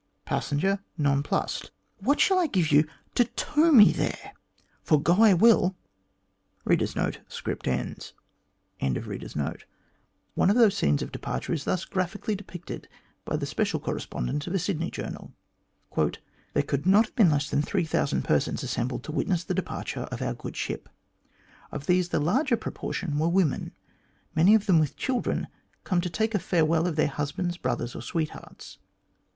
Passenger (nonplussed): "What shall I give you to tow me there? for go I will." One of those scenes of departure is thus graphically depicted by the special correspondent of a Sydney journal :" There could not have been less than 3000 persons assembled to witness the departure of our good ship. Of these the larger proportion were w T omen, many of them with children, come to take a farewell of husbands, brothers, or sweethearts.